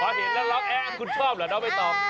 พอเห็นแล้วเราแอ๊ะคุณชอบหรือน้องไม่ต้อง